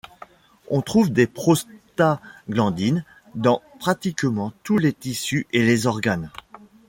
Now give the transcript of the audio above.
On trouve des prostaglandines dans pratiquement tous les tissus et les organes.